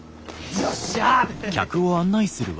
よっしゃ！